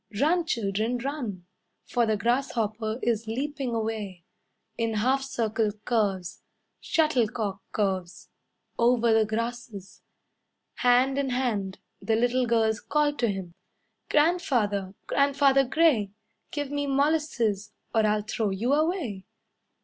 Run, children, run. For the grasshopper is leaping away, In half circle curves, Shuttlecock curves, Over the grasses. Hand in hand, the little girls call to him: "Grandfather, grandfather gray, Give me molasses, or I'll throw you away."